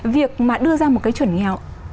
việc mà đưa ra một cái chuẩn nghèo